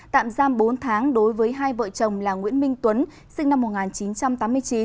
tạm giam bốn tháng đối với hai vợ chồng là nguyễn minh tuấn sinh năm một nghìn chín trăm tám mươi chín